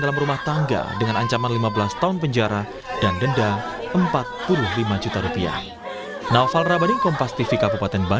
dalam rumah tangga dengan ancaman lima belas tahun penjara dan denda empat puluh lima juta rupiah